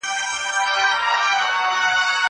زه پرون لاس مينځلی و؟